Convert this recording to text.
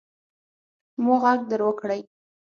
ما ږغ در وکړئ.